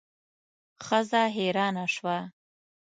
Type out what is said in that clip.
ښځه حیرانه شوه.